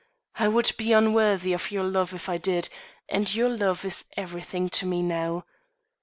I would be unworthy of your love if I did, and your love is everything to me now."